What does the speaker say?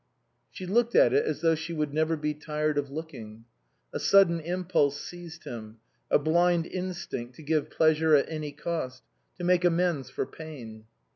She looked at it as though she would never be tired of looking. A sudden impulse seized him, a blind instinct to give pleasure at any cost, to make amends for pain.